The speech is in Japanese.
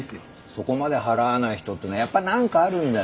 そこまで払わない人っていうのはやっぱなんかあるんだよ。